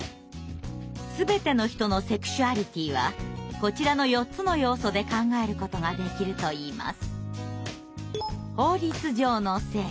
全ての人のセクシュアリティーはこちらの４つの要素で考えることができるといいます。